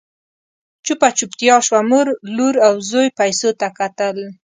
چوپه چوپتيا شوه، مور، لور او زوی پيسو ته کتل…